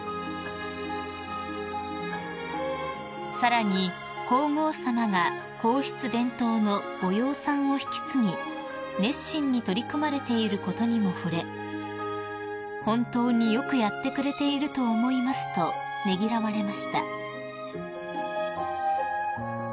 ［さらに皇后さまが皇室伝統のご養蚕を引き継ぎ熱心に取り組まれていることにも触れ「本当によくやってくれていると思います」とねぎらわれました］